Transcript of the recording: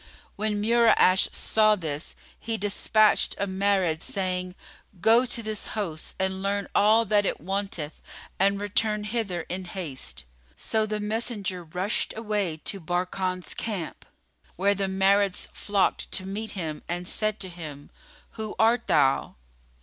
When Mura'ash saw this, he despatched a Marid, saying, "Go to this host and learn all that it wanteth and return hither in haste." So the messenger rushed away to Barkan's camp, where the Marids flocked to meet him and said to him, "Who art thou?"